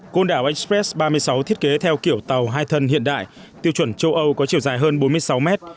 côn đảo express ba mươi sáu thiết kế theo kiểu tàu hai thân hiện đại tiêu chuẩn châu âu có chiều dài hơn bốn mươi sáu mét